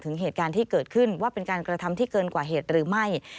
ถึงเหตุการณ์ที่เกิดขึ้นว่าเป็นการกระทำที่เกินกว่าเหตุหรือไม่